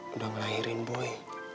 udah ngelahirin boy